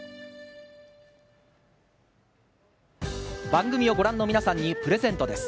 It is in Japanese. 番組をご覧の皆さまにプレゼントです。